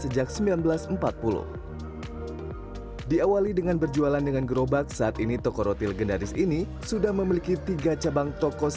jadi orang orang yang